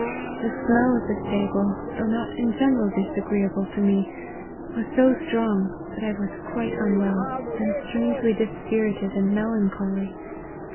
The smell of the stable, though not in general disagreeable to me, was so strong, that I was quite unwell, and strangely dispirited and me lancholy.